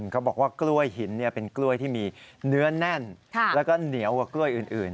เขาบอกว่ากล้วยหินเป็นกล้วยที่มีเนื้อแน่นแล้วก็เหนียวกว่ากล้วยอื่น